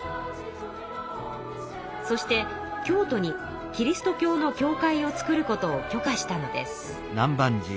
そして京都にキリスト教の教会を造ることを許可したのです。